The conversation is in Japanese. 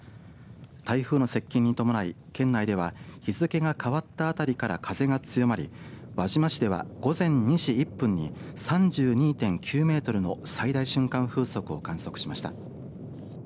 台風の接近に伴い県内では日付が変わった辺りから風が強まり輪島市では、午前２時１分に３２．９メートルの最大瞬間風速を観測しました。